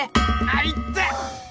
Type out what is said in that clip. あいって！